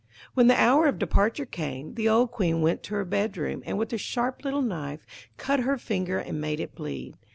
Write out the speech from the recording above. When the hour of departure came, the old Queen went to her bedroom, and with a sharp little knife cut her finger and made it bleed.